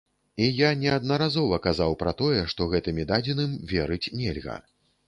І я неаднаразова казаў пра тое, што гэтымі дадзеным верыць нельга.